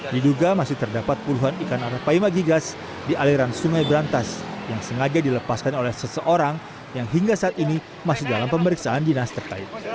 diduga masih terdapat puluhan ikan arapaima gigas di aliran sungai berantas yang sengaja dilepaskan oleh seseorang yang hingga saat ini masih dalam pemeriksaan dinas terkait